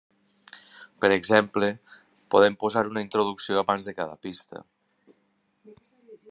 Per exemple, podem posar una introducció abans de cada pista.